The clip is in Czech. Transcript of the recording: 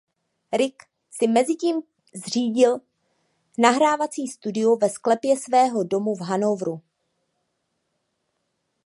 Rick si mezitím zřídil nahrávací studio ve sklepě svého domu v Hannoveru.